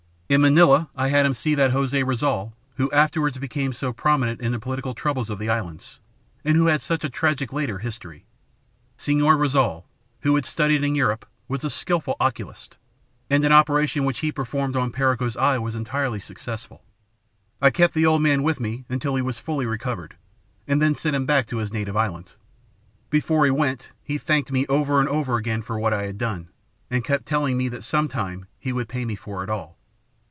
In Manila I had him see that Jose Rizal who afterwards became so prominent in the political troubles of the islands, and who had such a tragic later history. SeÒor Rizal, who had studied in Europe, was a skillful oculist, and an operation which he performed on Perico's eye was entirely successful. I kept the old man with me until he was fully recovered, and then sent him back to his native island. Before he went, he thanked me over and over again for what I had done, and kept telling me that some time he would pay me for it all.